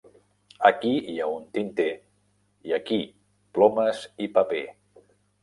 Aquí hi ha un tinter, i aquí plomes i paper.